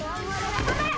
頑張れ。